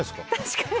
確かに。